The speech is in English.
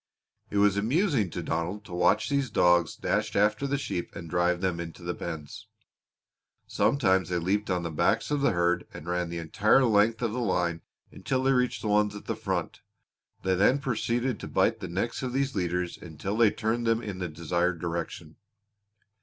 It was amusing to Donald to watch these dogs dash after the sheep and drive them into the pens. Sometimes they leaped on the backs of the herd and ran the entire length of the line until they reached the ones at the front. They then proceeded to bite the necks of these leaders until they turned them in the desired direction.